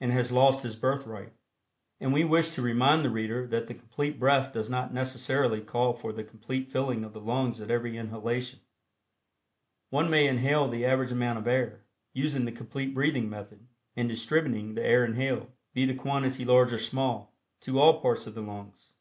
and has lost his birthright. And we wish to remind the reader that the Complete Breath does not necessarily call for the complete filling of the lungs at every inhalation. One may inhale the average amount of air, using the Complete Breathing Method and distributing the air inhaled, be the quantity large or small, to all parts of the lungs.